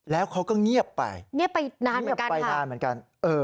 แล้วเขาก็เงียบไปเงียบไปนานเหมือนกัน